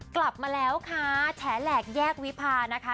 กลับมาแล้วค่ะแฉแหลกแยกวิพานะคะ